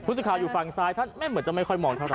สื่อข่าวอยู่ฝั่งซ้ายท่านไม่เหมือนจะไม่ค่อยมองเท่าไ